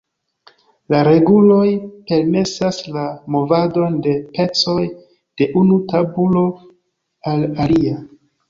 La reguloj permesas la movadon de pecoj de unu tabulo al alia.